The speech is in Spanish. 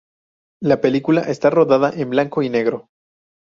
La película está rodada en blanco y negro.